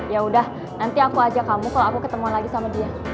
ya udah nanti aku ajak kamu kalau aku ketemu lagi sama dia